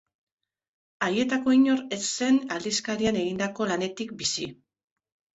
Haietako inor ez zen aldizkarian egindako lanetik bizi.